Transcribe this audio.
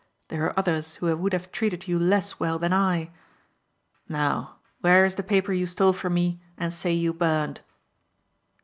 There are others who would have treated you less well than I. Now, where is the paper you stole from me and say you burned?"